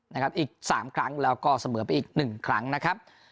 นะครับอีก๓ครั้งแล้วก็เสมอไปอีก๑ครั้งนะครับ